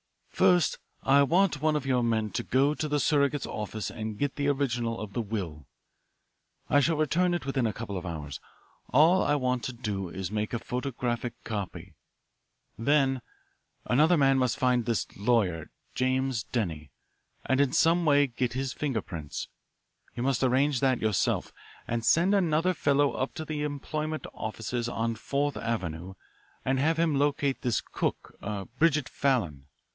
"First, I want one of your men to go to the surrogate's office and get the original of the will. I shall return it within a couple of hours all I want to do is to make a photographic copy. Then another man must find this lawyer, James Denny, and in some way get his finger prints you must arrange that yourself. And send another fellow up to the employment offices on Fourth Avenue and have him locate this cook, Bridget Fallon.